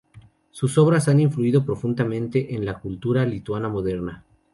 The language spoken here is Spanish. Sus obras han influido profundamente en la cultura lituana moderna.